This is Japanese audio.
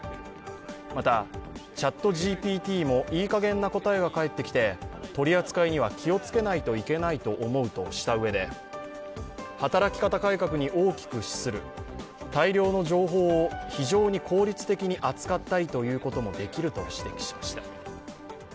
また、ＣｈａｔＧＰＴもいいかげんな答えが返ってきて、取り扱いには気をつけないといけないと思うとしたうえで働き方改革に大きく資する、大量の情報を非常に効率的に扱ったりということもできると指摘しました。